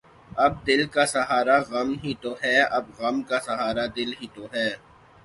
اب دل کا سہارا غم ہی تو ہے اب غم کا سہارا دل ہی تو ہے